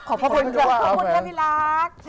ขอบคุณครับขอบคุณครับพี่รัก